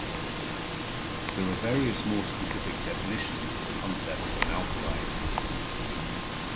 There are various more specific definitions for the concept of an alkali.